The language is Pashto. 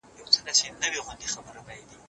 ژبه بايد بډايه او غني وي.